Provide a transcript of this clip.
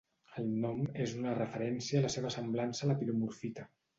El nom és una referència a la seva semblança a la piromorfita.